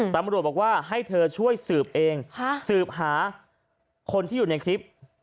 ตำรวจบอกว่าให้เธอช่วยสืบเองสืบหาคนที่อยู่ในคลิป